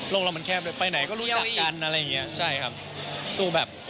โลกเรามันแคบไปไหนก็รู้จักกัน